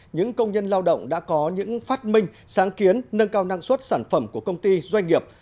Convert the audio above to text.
những công nhân lao động đã có những phát minh sáng kiến nâng cao năng suất sản phẩm của công ty doanh nghiệp